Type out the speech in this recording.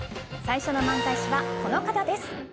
最初の漫才師はこの方です。